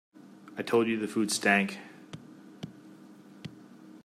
I told you the food stank.